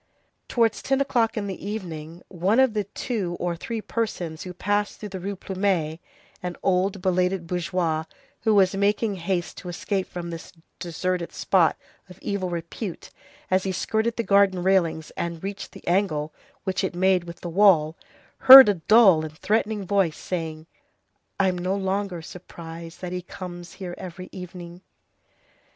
Towards ten o'clock in the evening, one of the two or three persons who passed through the Rue Plumet, an old, belated bourgeois who was making haste to escape from this deserted spot of evil repute, as he skirted the garden railings and reached the angle which it made with the wall, heard a dull and threatening voice saying:— "I'm no longer surprised that he comes here every evening."